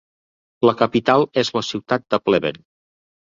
La capital és la ciutat de Pleven.